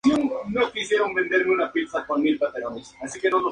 Antes de su conversión, Ceferino era tratante de caballos y artesano de cestería.